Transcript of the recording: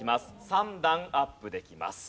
３段アップできます。